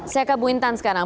saya ke bu intan sekarang